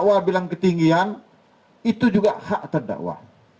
kalau saya bilang ketinggian itu juga hak terdakwa